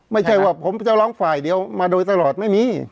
ไม่ใช่ว่าผมจะร้องฝ่ายเดียวมาโดยตลอดไม่มี